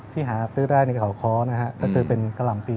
หาซื้อได้ในเขาค้อนะฮะก็คือเป็นกะหล่ำปี